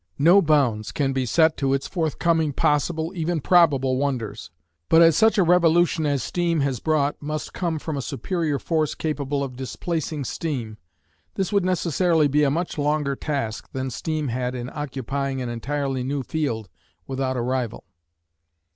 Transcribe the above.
No bounds can be set to its forthcoming possible, even probable, wonders, but as such a revolution as steam has brought must come from a superior force capable of displacing steam, this would necessarily be a much longer task than steam had in occupying an entirely new field without a rival.